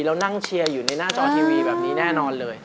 แล้วนั่งเชียร์อยู่ในหน้าจอทีวีแบบนี้แน่นอนเลย